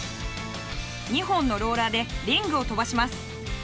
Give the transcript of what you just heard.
２本のローラーでリングを飛ばします。